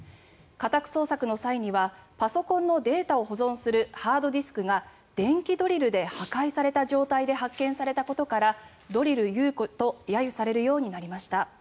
家宅捜索の際にはパソコンのデータを保存するハードディスクが電気ドリルで破壊された状態で発見されたことからドリル優子と揶揄されるようになりました。